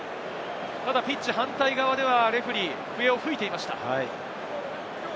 ピッチ反対側ではレフェリー、笛を吹いていました。